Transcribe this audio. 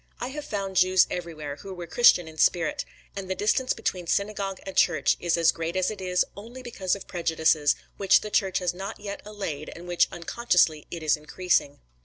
I have found Jews everywhere who were Christian in spirit; and the distance between synagogue and church is as great as it is, only because of prejudices, which the church has not yet allayed and which unconsciously it is increasing.